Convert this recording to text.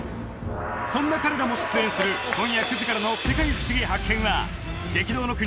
そんな彼らも出演する今夜９時からの「世界ふしぎ発見！」は激動の国